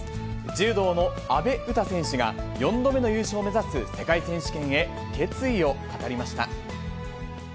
柔道の阿部詩選手が、４度目の優勝を目指す世界選手権へ、決意を語りました。